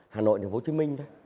hà nội tp hcm